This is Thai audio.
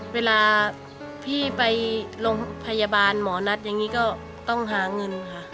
เวลาพี่ไปโรงพยาบาลหมอนัดอย่างนี้ก็ต้องหาเงินค่ะ